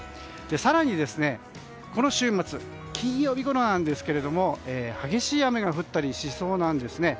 更に、この週末金曜日ごろなんですけども激しい雨が降ったりしそうなんですね。